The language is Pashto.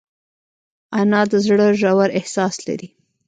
انا د زړه ژور احساس لري